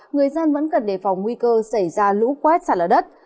người dân vẫn cần đề phòng nguy cơ xảy ra lũ quét xả lở đất